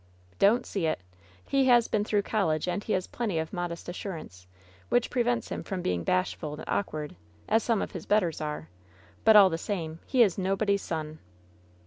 "Don't see it ! He has been through college and he has plenty of modest assurance, which prevents him from being bashful and awkward, as some of his betters are. But all the same, he is nobody's son